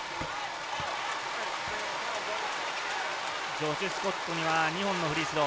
ジョシュ・スコットには２本のフリースロー。